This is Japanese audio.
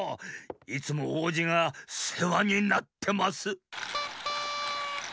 いつもおうじがせわになってます。